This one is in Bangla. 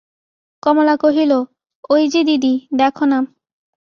কমলা কহিল, ওই-যে দিদি, দেখো-না।